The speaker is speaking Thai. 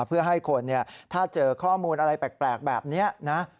เพื่อให้คนถ้าเจอข้อมูลอะไรแปลกแบบนี้นะ